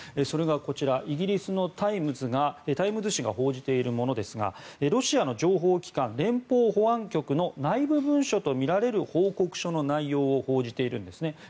それがこちらイギリスのタイムズ紙が報じているものですがロシアの情報機関連邦保安局の内部文書とみられる報告書の内容を報じているんですね。